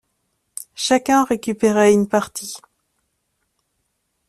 Chacun en récupérait une partie.